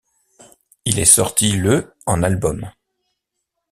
Il est sorti le en album.